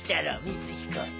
光彦。